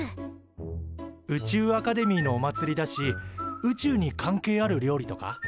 宇宙アカデミーのおまつりだし宇宙に関係ある料理とか？